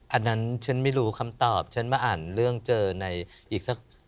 อันนั้นฉันไม่รู้คำตอบฉันมาอ่านเรื่องเจอในอีกสัก